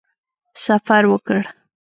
سفر وکړ.